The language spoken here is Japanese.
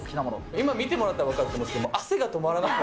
今見てもらったら分かると思うんですけど、汗が止まらなかった。